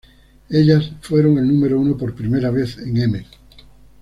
Ellas fueron el número uno por primera vez en "M!